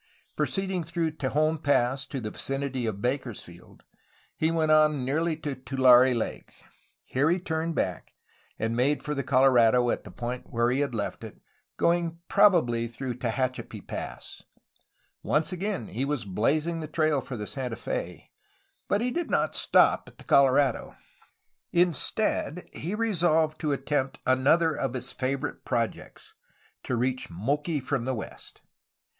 Proceeding through Tejon Pass to the vicinity of Bakersfield, he went on nearly to Tulare Lake. Here he turned back, and made for the Colo 316 COMMANDANCY GENERAL OF FRONTIER PROVINCES 317 rado at the point where he had left it, going probably through Tehachapi Pass. Once again he was blazing the trail for the Santa Fe, but he did not stop at the Colorado. Instead, he resolved to attempt another of his favorite pro jects,— to reach Moqui from the west.